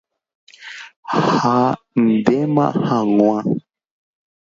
ha ndéma hag̃ua